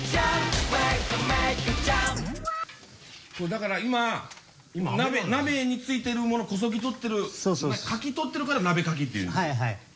だから今鍋についてるものこそぎとってるかきとってるから鍋かきっていうんですね。